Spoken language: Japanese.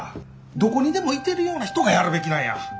どこにでもいてるような人がやるべきなんや。